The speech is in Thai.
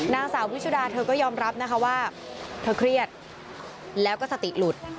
นางสาววิชุดาเธอก็ยอมรับนะคะว่าเธอเครียดแล้วก็สติหลุด